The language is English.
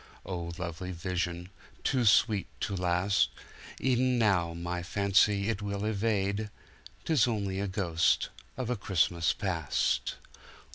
Oh, lovely vision, too sweet to last—E'en now my fancy it will evade— 'Tis only a ghost of a Christmas Past.